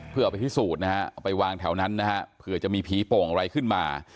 เพื่อเอาไปพิสูจน์นะฮะเอาไปวางแถวนั้นนะฮะเผื่อจะมีผีโป่งอะไรขึ้นมา